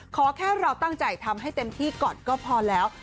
ขอแค่เราตั้งใจทำให้เต็มที่ก่อนก็พอแล้ว